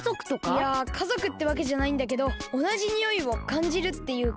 いやかぞくってわけじゃないんだけどおなじにおいをかんじるっていうか。